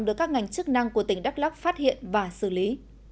được các ngành chức năng của tỉnh đắk lắk phát hiện và xử lý